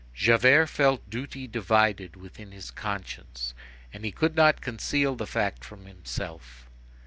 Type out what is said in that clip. Javert felt duty divided within his conscience, and he could not conceal the fact from himself.